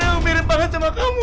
yang mirip banget sama kamu